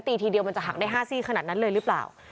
ทีเดียวมันจะหักได้๕ซี่ขนาดนั้นเลยหรือเปล่า